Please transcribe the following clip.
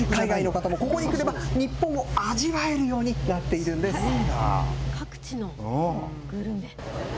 海外の方もここに来れば日本を味わえるように各地のグルメ。